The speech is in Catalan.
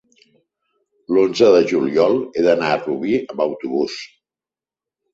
l'onze de juliol he d'anar a Rubí amb autobús.